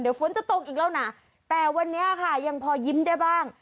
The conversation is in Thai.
เดี๋ยวฝนจะตกอีกแล้วนะแต่วันนี้ค่ะยังพอยิ้มได้บ้าง